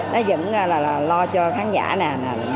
nó vẫn là lo cho khán giả nè